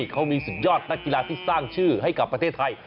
เขามีสุดยอดนักกีฬาที่สร้างชื่อให้กับประเทศไทย